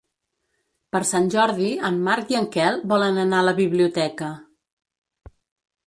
Per Sant Jordi en Marc i en Quel volen anar a la biblioteca.